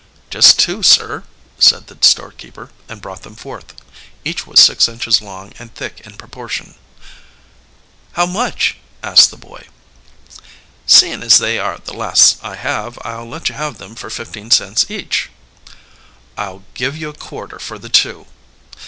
"Just two, sir," said the storekeeper, and brought them forth. Each was six inches long and thick in proportion. "How much?" asked the boy. "Seeing as they are the last I have, I'll let you have them for fifteen cents each." "I'll give you a quarter for the two."